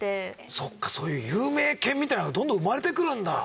そっかそういう有名犬みたいなのがどんどん生まれてくるんだ。